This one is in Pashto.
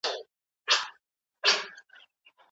په لاس لیکل د تکامل په بهیر کي د انسان لویه لاسته راوړنه ده.